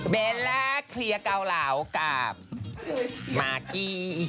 เบลล่าเคลียร์เกาเหลากับมากกี้